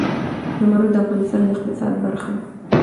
زمرد د افغانستان د اقتصاد برخه ده.